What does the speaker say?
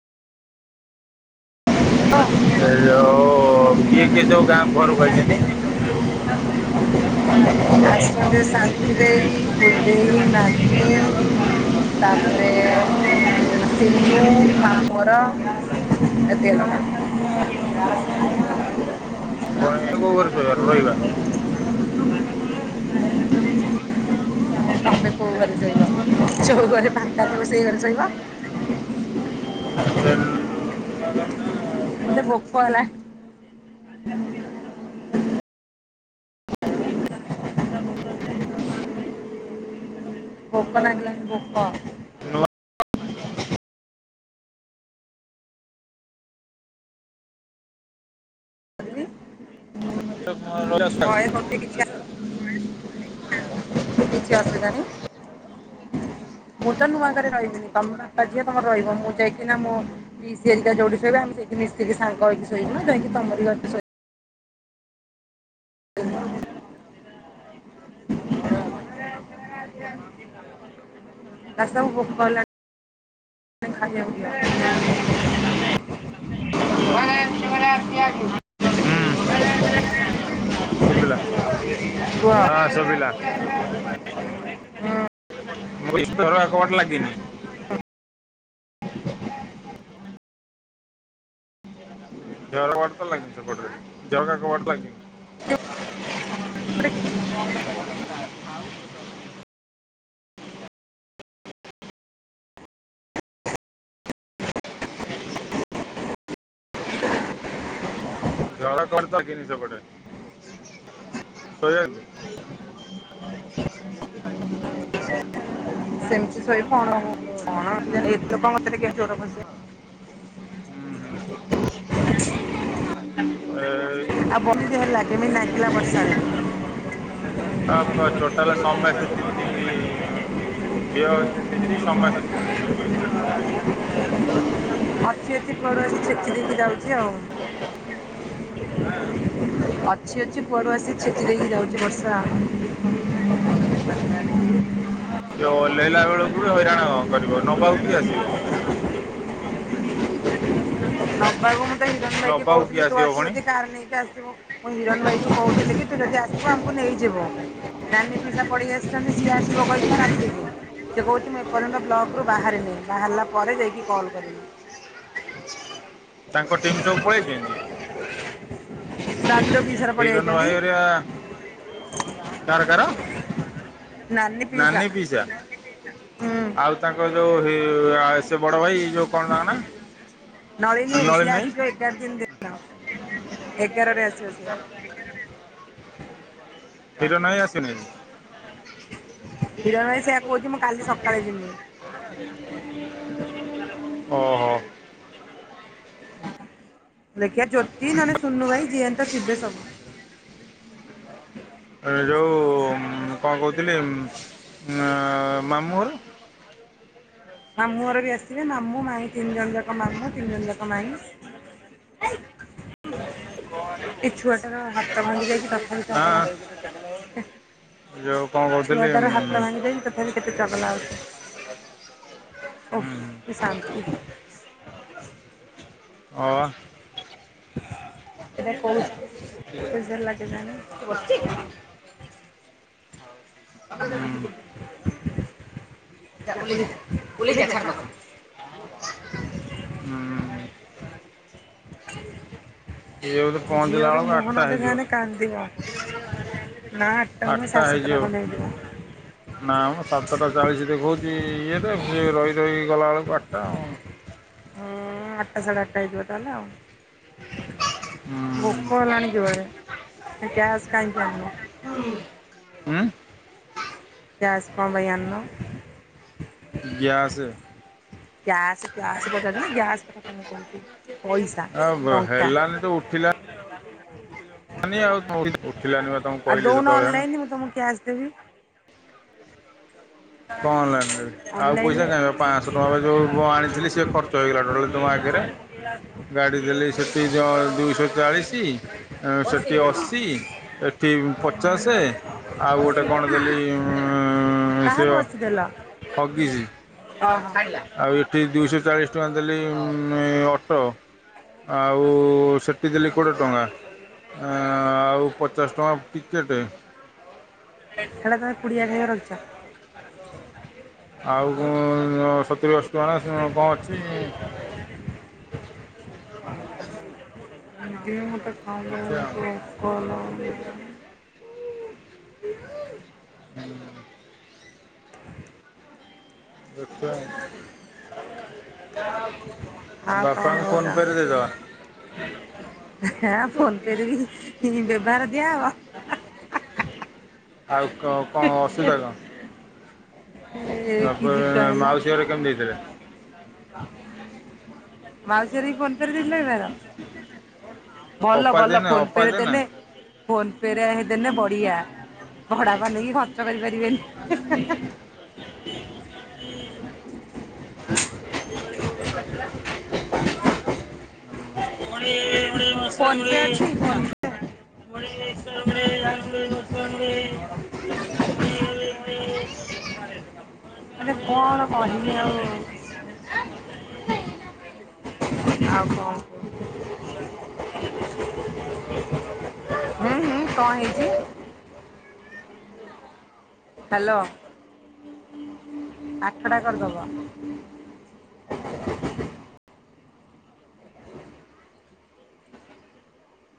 ଏ ଯୋଉ କିଏ କିଏ ସବୁ ଗାଁ ଘରକୁ ଆଇଛନ୍ତି? ଆସଛନ୍ତି ଶାନ୍ତି ଦେଇ କୁଦେଇ ନାନି ତାପରେ ସିହୁ ପାମର [unintelligible] ଏତି [unintelligible] କଣ କଛାରିବା [unintelligible] ତମେ କୋଉ ଘରେ ଶୋଇବ ଯୋଉ ଘରେ ଫାଙ୍କା ଥିବ ସେଇ ଘରେ ଶୋଇବ। ହ [unintelligible] [inaudible] ଭୋକ ଲାଗି ଲାଣି ଭୋକ। ନୂଆ [unintelligible] ଭ ମତେ କିଛିସ କିଛି ଅସୁବିଧା ନହିଁ [unintelligible] ମୁଁ ତ ନୂଆ ଘରେ ରହିବିନି ତମ ବାପା ଝିଅ ତମର ରହିବ ମୁଁ ଯାଇକି ନା ମୋ ପିଇସି ହାରିକା ଯୋଉଠି ଶୋଇବେ ଆମେ ମିଶିକି ସାଙ୍ଗ ହେକି ଶୋଇବୁ ଯାଇକି ତମରି ଘରେ ଶୋଇ ରାଷ୍ଟତା ଲ [unintelligible] ମ ଶିବନା ଦତିଆଜି [unintelligible] ଆ [unintelligible] ସୁ ହଁ ସୁବିଲ ହଁ। ମୋରଟ ଲାଗିନି [unintelligible] ଜଟ ଲାଗ ସେ ଜଟ ଲ [unintelligible] ଜଝାଡା କତା କି ନି ସେପଟେ ସଜନ [unintelligible] ସେମିତି ଶୋଇପଣ ଏତ ମତେ ଟ ଜୋର ଫସ ହୁଁ ହୁ। ଆ [unintelligible] ଆଉ ବହୁ ଦେହ ଲାଗେମ ନାଗିଲା ବର୍ଷାରେ ଅ ଟୋଟାଲ ସମସ୍ତେ ତିନ୍ତିକି ଝିଅ ତିନ୍ତିଛି ସମସ୍ତେ ତିନ୍ତିଛି। ଅଛି ପଡୁଛି ଛେକି ଦେଇକି ଯାଉ। କଉ [unintelligible] ଅଛି ଅଛି କୁଆଡୁ ଆସି ଛତିରେକି ଯାଉଛି ବର୍ଷା। ସେ ଓଲେଇଲା ବେଳକୁ ବି ହଇରାଣ କରିବ ନବାକୁ କି ଆସିବ। ବା ହିରଣ ନବାକୁ କିଏ ଭାଇକିହୁଥିଲଥିଲେ ତୁ ଆସିବ ପୁଣି? ଆସିବଧିକ କାର ନେଇକି ଆସିବୁ ମୁଁ ହିରଣ ଭାଇ କୁ କହୁଥିଲି କି ତୁ ଯଦି ଆସିବୁ ଆମକୁ ନେଇଯିବ ଡାନୀ ପିସା ପଡିେଇ ଆସିଛନ୍ତି ସିଏ ଆସିବ କହି ରାତିକ ସେ କହୁଛି ମୁଁ ଏପର୍ଯ୍ୟନ୍ତ ବ୍ଲକ୍ରୁ ବାହାରିନି ବାହାରିଲା ପରେ ଯାଇକି କଲ୍ କରିବି ତାଙ୍କ ଟିମ୍ ସବୁ ପଳେଇ ଦିଅନ୍ତି। ଦାଣ୍ଡ ପିସାର ପଳେଇ ହିରଣ ଯାଇଛନ୍ତି ଭାଇଆ କାର କ ନାନୀ ପିସା ହୁଁ ଆଉ ତାଙ୍କ ଯୋଉ ସେ ବଡ ଭାଇ ଯୋଉ କଣ ନାଙ୍କ ନା ନଳିନି ନଳିନୀ [unintelligible] ଭାଇ ଆସିବା ଏଗାର ଦିନ [unintelligible] ଏ ଗାରରେ ଆସିବ ସିଏ। ହିରନ୍ ଭାଇ ଆସିନି ଆଜି? ହିରଣ ଭାଇ ସେୟା କହୁଛି ମୁଁ କାଲି ସକାଳେ ଯିମି [unintelligible] ଓହୋ। ଦେଖିଆ ଜ୍ୟୋତି ନନେ ସୁନୁ ଭାଇ ଯିଏ ହେନେ ତ ଥିବେ ସବୁ [unintelligible] ଏଯୋଉ ଉଁ କଣ କହୁଥିଲି ଉଁ ଅଁ ମାମୁଁଘର? ମାମୁଁ ଘର ବି ଆସିବେ। ମାମୁଁ ମାଇଁ ତିନ ଜଣ ଯା କ ମାମୁଁ ତିନ ଜଣ ଯାକ ମାଇଁ। [unintelligible] [unintelligible] ଏ ଛୁଆଟାର ହାତ ଭାଙ୍ଗି ଯାଇଛି ତଥାପି ଆଁ ଚଗଲା ଯୋଉ କଣ [unintelligible] କହୁଥିଲି ଛୁଆଟାର ହାତ ଭାଙ୍ଗି ଯାଇଛି ତଥାପି କେତେ ଚଗଲା ହଉଚି। ଓଃ କି ଶାନ୍ତି। ଓଃ। [unintelligible] ଏଟା କୋଉ [unintelligible] କେଜାଣି? ଓହ୍ଲେଇ [unintelligible] ଉଁ। [unintelligible] ଝିଅର ବେଳକୁ ମୁହଁ ଆଠଟା ନ ହେଇଯିବ ଦେଖାହେନେ କାନ୍ଦିବା। ନା ଆଠଟା ନୁହେଁ ସାଢସାତେଟା ଖଣ୍ଡେ ହେଇଯିବ। ସାତେଟା ଚାଳିଶ ଦେଖଉଚି ଇଏରେ ସିଏ ରହି ରହି ଗଲାବେଳକୁ ଆଠଟା ଆଉ। ହଁ ଆଠଟା ସାଢେଆଠଟା ହେଇଯିବ ତାଲେ ଆଉ। ହୁଁ ଭୋକ ହେଲାଣି ଯୋରେ। କ୍ୟାଶ୍ କାହିଁକି [unintelligible] ଉଁ? କ୍ୟାଶ୍ କଣ ପାଇଁ ଆଣିନ? ଗ୍ୟାସେ? କ୍ୟାଶ୍ କ୍ୟାଶ୍ ପଚାରୁଚି ନା ଗ୍ୟାସ୍ କଥା କଣ କହୁଛି। ପଇସା ଆଉ ଟଙ୍କା [unintelligible] ହେଲାନି ତ ଉଠିଲାନି [unintelligible] ଉଠିଲାନି ବା ତମକୁ କହିଲି ସେତେବେଳେ [unintelligible] ଉଁ? କଁ ଅନଲାଇନରେ ଦେବି? ଆଉ ଅନଲାଇନ୍ ପଇସା ରେ କାହିଁ ବା ପାଁଶ ଟଙ୍କା ବା ଯୋଉଁ ଆଣିଥିଲି ସିଏ ଖର୍ଚ୍ଚ ହେଇଗଲା ଟୋଟାଲ ତମ ଆଗେରେ। ଗାଡ଼ି ଦେଲି ସେଠି ଜ ଦୁଇଶ ଚାଳିଶି, ଅଁ ସେଠି ଅଶୀ, ଏଠି ପଚାଶେ ଆଉ ଗୋଟେ କଣ ଦେଲି ଉଁ କାହାକୁ ଅଛି ଦେଲ [unintelligible] ହଗିସ ଓହୋ ଆଉ ଏଠି ଦୁ ଚାଳିଶ ଟଙ୍କା ଦେଲି ଅଟୋ ଆଉ ସେଠି ଦେଲି କୋଡ଼ିଏ ଟଙ୍କା ଆଉ ପଚାଶ ଟଙ୍କା ଟିକେଟେ ହେଟା ତମେ ପୁଡିଆ ଖାଇବାକୁ ରଖିଚ? ଆଉ କଣ ସତୁୁରୀ ଅସି ଟଙ୍କା କଣ ଅଛି। ଦିନ ମୋଟା ଦେଖିବା ଆମ କଲ [inaudible] [inaudible] [inaudible] ଦେଖ ଆଉ କଣ ବାପାଙ୍କ କହୁଚ ଫୋନ ପେରେ ଦେଇଦବା। ଫୋନ୍ ପେ ରେ ବି ବ୍ୟବହାର ଦିଆହବ। ଆଉ କ? କ ଅସୁବିଧା କଣ? ଏ କି ଯୁଗ ତାପରେ ହେଲା। ମାଉସୀ ଘରେ କେମିତି ଦେଇଥିଲେ ମାଉସିହର ବି ଫୋନପେ ରେ ଦେଇଥିଲେ ନା କଣ? ଭଲ ଅପା ଭଲ ଦେଇନା ଫୋନ ଅପା ପେ ରେ ଦେଇନା ଦେଲେ ଫୋନ ପେ ରେ ହେଦେନେ ବଢିଆ ବଢା ମାନେ କି ଖର୍ଚ୍ଚ କରିପାରିବେନି ହିଁ ହିଁ। ମାନେ ଆଉ କଣ କହିବି ଆଉ ଆଉ କଣ? ହୁଁ ହୁଁ କଣ ହେଇଛି? ହ୍ୟାଲୋ ଆଠ ଟା କରିଦବ [inaudible]